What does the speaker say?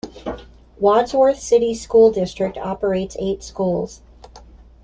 Wadsworth City School district operates eight schools.